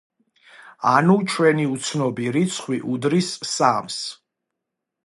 ანუ, ჩვენი უცნობი რიცხვი უდრის სამს.